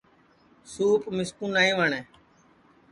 سُوپ مِسکُو نائیں وٹؔیں